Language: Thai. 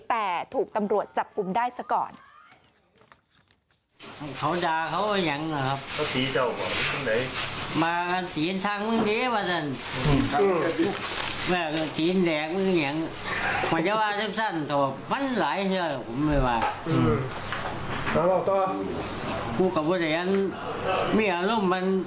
แต่ถูกตำรวจจับกลุ่มได้ซะก่อน